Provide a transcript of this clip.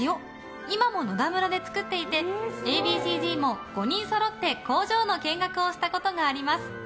今も野田村で作っていてＡ．Ｂ．Ｃ‐Ｚも５人そろって工場の見学をしたことがあります。